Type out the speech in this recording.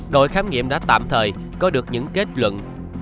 đội khám nghiệm đã tạm thời có được những kết luận